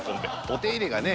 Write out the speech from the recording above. お手入れがね